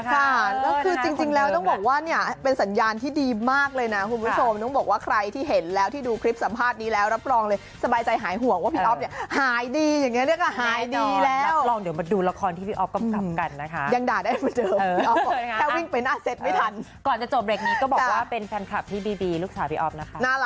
ค่ะแล้วคือจริงแล้วต้องบอกว่าเนี่ยเป็นสัญญาณที่ดีมากเลยนะคุณผู้ชมต้องบอกว่าใครที่เห็นแล้วที่ดูคลิปสัมภาษณ์นี้แล้วรับกรองเลยสบายใจหายห่วงว่าพี่อ๊อฟเนี่ยหายดีอย่างเงี้ยเนี่ยค่ะหายดีแล้วรับกรองเดี๋ยวมาดูละครที่พี่อ๊อฟกลับกลับกันนะคะยังด่าได้เมื่อเดิมแค่วิ่งเป็น